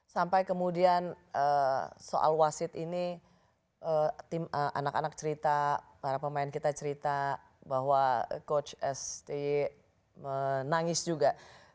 sampai kemudian soal wasit ini anak anak cerita para pemain kita cerita bahwa coach st menangis juga